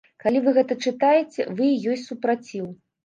Калі вы гэта чытаеце, вы і ёсць супраціў.